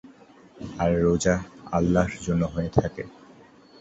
আর রোজা আল্লাহর জন্য হয়ে থাকে।